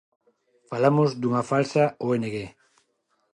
Falamos dunha falsa oenegué.